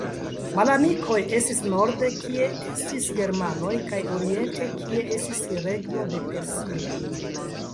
Malamikoj estis norde, kie estis germanoj kaj oriente, kie estis regno de Persio.